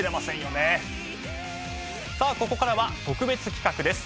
さあここからは特別企画です。